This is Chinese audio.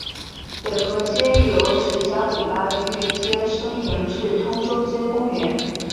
北河街由石硖尾巴域街伸延至通州街公园。